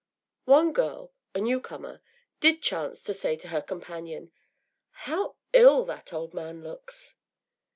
One girl, a new comer, did chance to say to her companion: “How ill that old man looks!